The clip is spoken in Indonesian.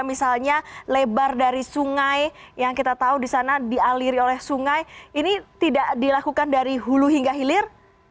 misalnya lebar dari sungai yang kita tahu di sana dialiri oleh sungai ini tidak dilakukan dari hulu hingga hilir